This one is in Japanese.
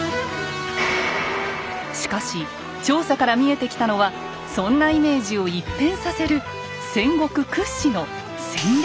しかし調査から見えてきたのはそんなイメージを一変させる戦国屈指の戦略